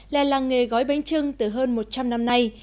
là làng nghề gói bánh trưng từ hơn một trăm linh năm nay